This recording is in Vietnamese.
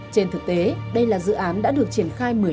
trên thực tế đây là dự án đã được triển khai một mươi năm